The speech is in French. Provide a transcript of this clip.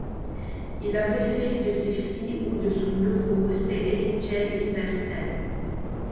Il avait fait de ses filles ou de son neveu ses héritiers universels.